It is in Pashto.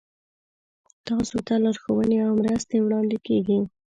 تاسو ته لارښوونې او مرستې وړاندې کیږي.